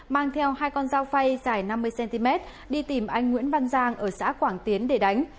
mang theo hai con dao phay dài năm mươi cm đi tìm anh nguyễn văn giang ở xã quảng tiến để đánh